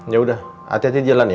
yaudah hati hati jalan ya